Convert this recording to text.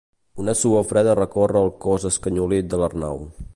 Una suor freda recorre el cos escanyolit de l'Arnau.